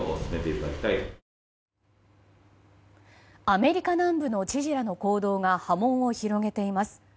アメリカ南部の知事らの行動が波紋を広げています。